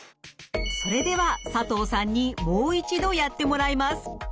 それでは佐藤さんにもう一度やってもらいます。